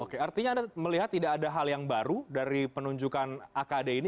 oke artinya anda melihat tidak ada hal yang baru dari penunjukan akd ini